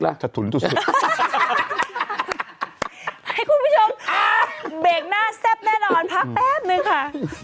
ให้คุณผู้ชมเบรกหน้าแซ่บแน่นอนพักแป๊บนึงค่ะ